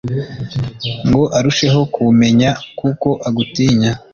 ngo arusheho kubumenya kuko agutinya